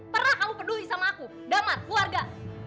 pernah kamu peduli sama aku damar keluarga